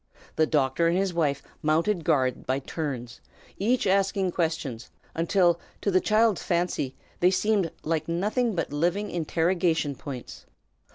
The doctor and his wife mounted guard by turns, each asking questions, until to the child's fancy they seemed like nothing but living interrogation points.